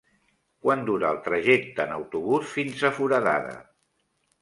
Quant dura el trajecte en autobús fins a Foradada?